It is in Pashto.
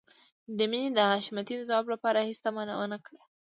مينې د حشمتي د ځواب لپاره هېڅ تمه ونه کړه.